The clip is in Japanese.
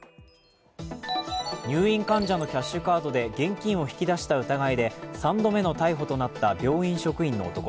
入院患者のキャッシュカードで現金を引き出した疑いで３度目の逮捕となった病院職員の男。